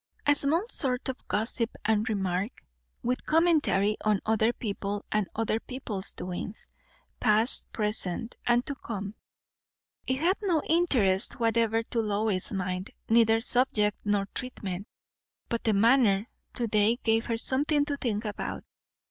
A small sort of gossip and remark, with commentary, on other people and other people's doings, past, present, and to come. It had no interest whatever to Lois's mind, neither subject nor treatment. But the manner to day gave her something to think about.